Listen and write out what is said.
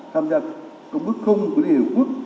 tham gia công bước khung của liên hiệp quốc